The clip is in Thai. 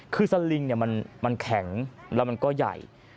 คือสลิงมันแข็งแล้วมันก็ใหญ่